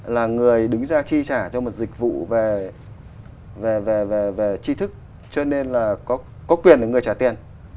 là người đứng ra chi trả cho một dịch vụ về chi thức cho nên là có quyền để người trả tiền